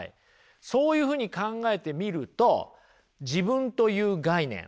そういうふうに考えてみると自分という概念